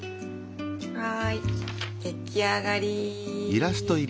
はい出来上がり！